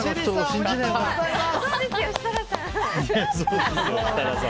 おめでとうございます！